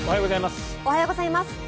おはようございます。